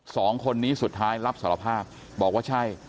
สองคนนี้สุดท้ายรับสารภาพบอกว่าใช่